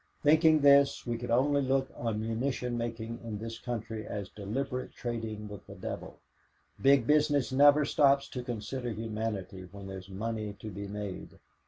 Thinking this, we could only look on munition making in this country as deliberate trading with the devil. Big Business never stops to consider humanity when there's money to be made.